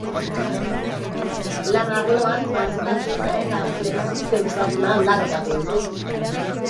Lan arloan, malgutasuna eta flexisegurtasuna aldarrikatu ditu.